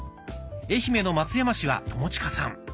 愛媛の松山市は友近さん。